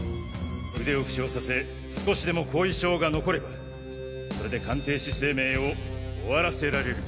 腕を負傷させ少しでも後遺症が残ればそれで鑑定士生命を終わらせられる。